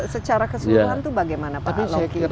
secara keseluruhan itu bagaimana pak aloky dalam pengalaman anda